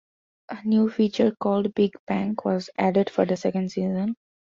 A new feature called "Big Bank" was added for the second season.